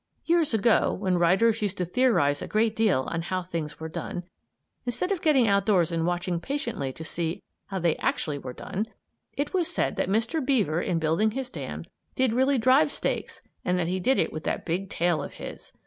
Years ago, when writers used to theorize a great deal on how things were done, instead of getting outdoors and watching patiently to see how they actually were done, it was said that Mr. Beaver in building his dam did really drive stakes and that he did it with that big tail of his.